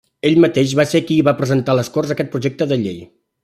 Ell mateix va ser qui va presentar a les Corts aquest projecte de llei.